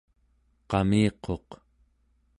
qamiquq